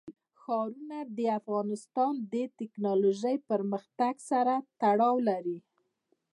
ښارونه د افغانستان د تکنالوژۍ پرمختګ سره تړاو لري.